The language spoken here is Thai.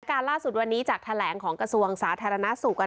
การล่าสุดวันนี้จากแถลงของกระทรวงสาธารณสุขกัน